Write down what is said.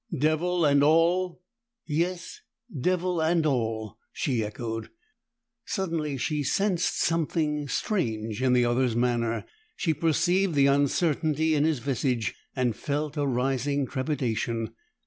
"Devil and all?" "Yes devil and all!" she echoed. Suddenly she sensed something strange in the other's manner. She perceived the uncertainty in his visage, and felt a rising trepidation.